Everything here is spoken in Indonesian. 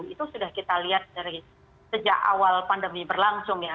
itu sudah kita lihat dari sejak awal pandemi berlangsung ya